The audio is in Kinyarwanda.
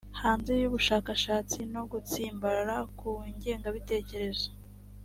hanze y ubushakashatsi no gutsimbarara ku ngengabitekerezo